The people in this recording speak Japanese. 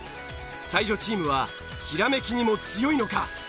才女チームはひらめきにも強いのか！？